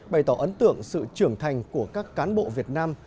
bày tỏ ấn tượng sự trưởng thành của các cán bộ việt nam